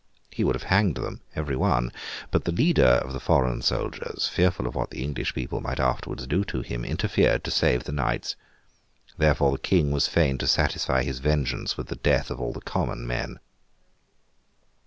He would have hanged them every one; but the leader of the foreign soldiers, fearful of what the English people might afterwards do to him, interfered to save the knights; therefore the King was fain to satisfy his vengeance with the death of all the common men.